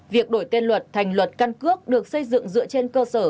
việc đổi tên luật thành luật căn cước được xây dựng dựa trên cơ sở